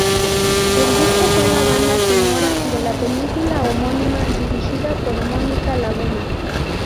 El disco fue la banda sonora de la película homónima dirigida por Mónica Laguna.